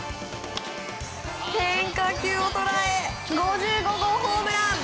変化球を捉え５５号ホームラン。